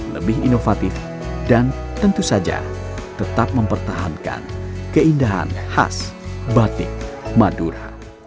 lebih inovatif dan tentu saja tetap mempertahankan keindahan khas batik madura